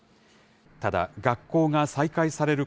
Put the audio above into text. ただ、学校が再開される